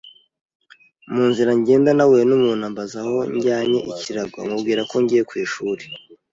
Mu nzira ngenda nahuye n’umuntu ambaza aho njyanye ikirago mubwira ko ngiye ku ishuri